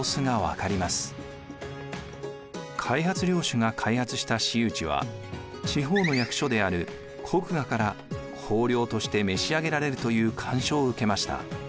開発領主が開発した私有地は地方の役所である国衙から公領として召し上げられるという干渉を受けました。